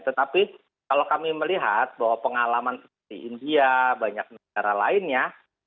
tetapi kalau kami melihat bahwa pengalaman seperti india banyak negara lainnya